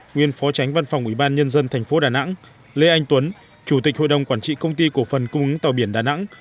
nguyên phó tránh văn phòng ubnd tp đà nẵng lê anh tuấn chủ tịch hội đồng quản trị công ty cổ phần cung ứng tàu biển đà nẵng